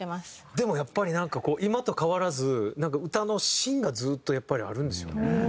でもやっぱりなんかこう今と変わらず歌の芯がずっとやっぱりあるんですよね。